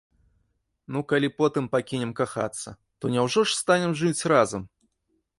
Ну калі потым пакінем кахацца, то няўжо ж станем жыць разам?